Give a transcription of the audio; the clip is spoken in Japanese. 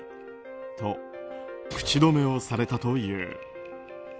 と、口止めをされたという。